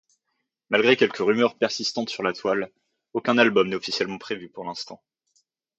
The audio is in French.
Malgré quelques rumeurs persistantes sur la toile, aucun album n'est officiellement prévu pour l'instant.